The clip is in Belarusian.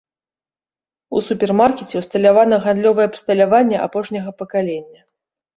У супермаркеце ўсталявана гандлёвае абсталяванне апошняга пакалення.